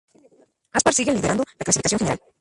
Aspar sigue liderando la clasificación general.